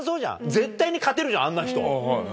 絶対に勝てるじゃん、あんな人。